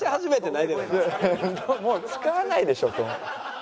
もう使わないでしょと思って。